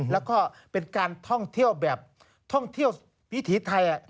แล้วก็เป็นการท่องเที่ยวแบบท่องเที่ยววิถีไทย